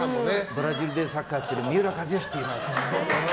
ブラジルでサッカーやってる三浦知良っていいますって。